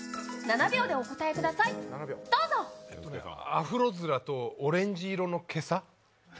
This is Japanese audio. アフロ面とオレンジ色のけさ？